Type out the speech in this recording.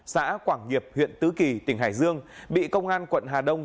xã quảng hiệp huyện tứ kỳ tỉnh hải dương bị công an quận hà đông